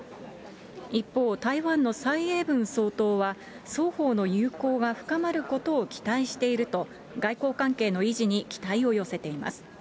一方、台湾の蔡英文総統は双方の友好が深まることを期待していると、外交関係の維持に期待を寄せています。